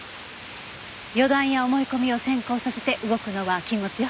予断や思い込みを先行させて動くのは禁物よ。